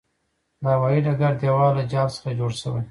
د هوايې ډګر دېوال له جال څخه جوړ شوی.